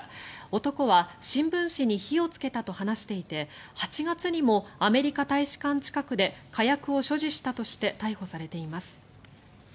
男は新聞紙に火をつけたと話していて８月にもアメリカ大使館近くで火薬を所持したとして逮捕されています。